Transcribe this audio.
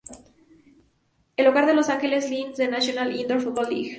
Es el hogar de los Los Angeles Lynx de la "National Indoor Football League".